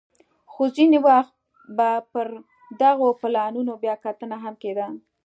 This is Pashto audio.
خو ځیني وخت به پر دغو پلانونو بیا کتنه هم کېده